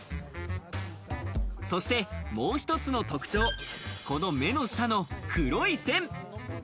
そしてもう一つの特徴、この目の下の黒い線。